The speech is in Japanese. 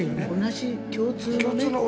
同じ共通のね。